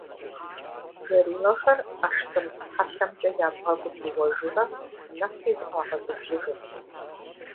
Гориллэхэр ӏэштӏым хьэлъэхэмкӏэ я бгъэгум иуэжурэ, нэхъри зыкъагъэгубжьыжырт.